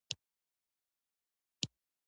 خو تا کندهار او زابل ته بار کړه.